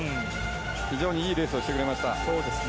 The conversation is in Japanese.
非常にいいレースをしてくれました。